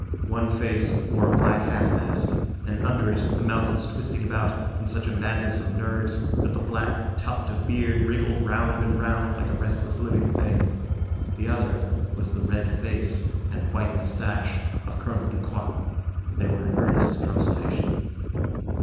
One face wore a black half mask, and under it the mouth was twisting about in such a madness of nerves that the black tuft of beard wriggled round and round like a restless, living thing. The other was the red face and white moustache of Colonel Ducroix. They were in earnest consultation.